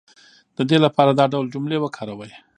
د دې لپاره دا ډول جملې وکاروئ